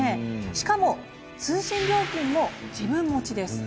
しかも通信料金も自分持ちです。